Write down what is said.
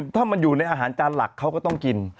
ถ้ามันอยู่ในอาหารจานหลักเขาก็ต้องกิน